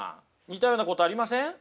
似たようなことありません？